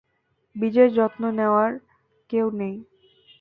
বীজের যত্ন নেওয়ার কেউ নেই।